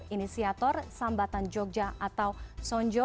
inisiator sambatan jogja atau sonjo